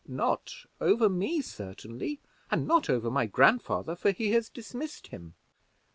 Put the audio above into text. "Not over me, certainly, and not over my grandfather, for he has dismissed him."